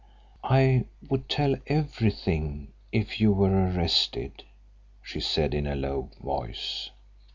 "I would tell everything if you were arrested," she said, in a low voice.